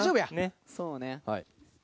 そうね。